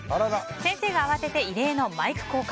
先生が慌てて異例のマイク交換。